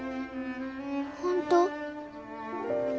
本当？